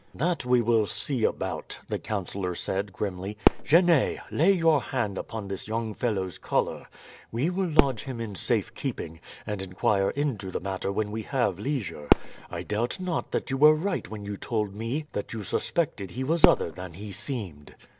"That we will see about," the councillor said grimly. "Genet, lay your hand upon this young fellow's collar. We will lodge him in safe keeping, and inquire into the matter when we have leisure. I doubt not that you were right when you told me that you suspected he was other than he seemed."